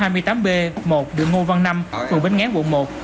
lầu bốn lầu năm số hai mươi tám b một đường ngô văn năm quận bến nghé quận một